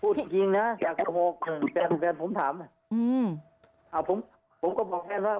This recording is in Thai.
พูดจริงจริงนะอยากจะบอกแฟนแฟนผมถามอืมอ่าผมผมก็บอกแฟนว่า